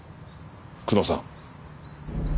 久野さん。